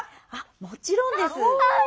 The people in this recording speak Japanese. もちろんです。